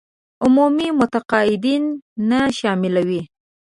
عمومي متقاعدين نه شاملوي.